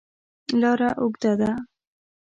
لاره اوږده ده.